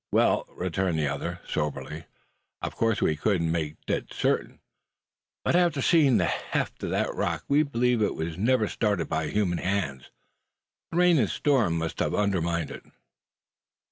"Well," returned the other, soberly, "of course we couldn't make dead certain, but after seeing the heft of that rock we believed that it was never started by any human hands. The rain and storm must have undermined it."